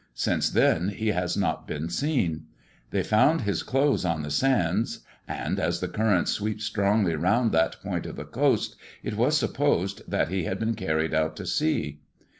Since then he has not been seen. They found his clothes on the sands, and, as the current sweeps strongly round that point of the coast, it was supposed that he had been carried out to sea."